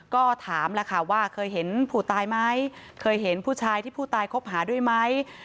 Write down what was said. ก็ถามแล้วค่ะว่าเคยเห็นผู้ตายไหมเคยเห็นผู้ชายที่ผู้ตายคบหาด้วยไหม